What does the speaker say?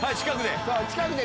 近くで！